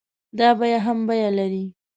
دا بيه هم بيه لري.